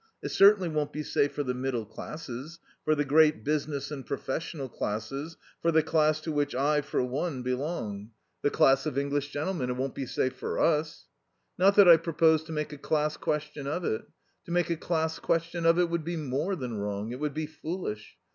It certainly won't be safe for the middle classes, for the great business and professional classes, for the class to which I, for one, belong: the class of English gentlemen. It won't be safe for us. "Not that I propose to make a class question of it. To make a class question of it would be more than wrong. It would be foolish.